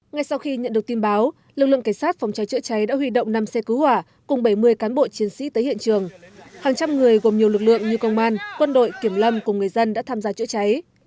ngay sau khi nhận được tin báo lực lượng cảnh sát phòng cháy chữa cháy đã huy động năm xe cứu hỏa cùng bảy mươi cán bộ chiến sĩ tới hiện trường hàng trăm người gồm nhiều lực lượng như công an quân đội kiểm lâm cùng người dân đã tham gia chữa cháy